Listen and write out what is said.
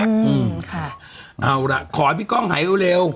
อืมค่ะเอาล่ะขอให้พี่ก้องหายเร็ว